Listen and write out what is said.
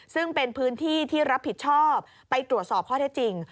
ซึ่งเป็นพื้นที่ที่รับผิดชอบไปตรวจสอบข้อเท็จจริง